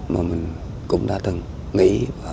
mà mình cũng đã từng nghĩ